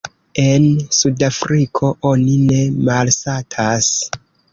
En Sudafriko oni ne malsatas.